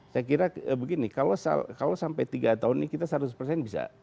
saya kira begini kalau sampai tiga tahun ini kita seratus persen bisa